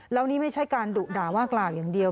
แล้วนี่ไม่ใช่การดุด่าว่ากล่าวอย่างเดียว